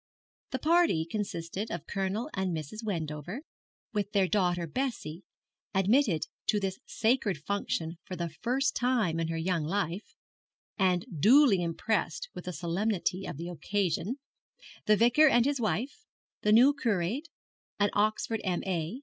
The party consisted of Colonel and Mrs. Wendover, with their daughter Bessie, admitted to this sacred function for the first time in her young life, and duly impressed with the solemnity of the occasion; the Vicar and his wife; the new curate, an Oxford M.A.